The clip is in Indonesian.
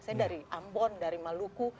saya dari ambon dari maluku